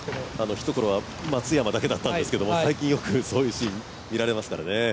ひところは松山だけだったんですけど、最近そういうシーン見られますね。